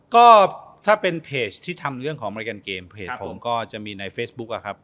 ก็ถ้าเป็นเพจที่ทำเรื่องของอเมริกันเกมเพจผมก็จะมีในเฟซบุ๊คอะครับ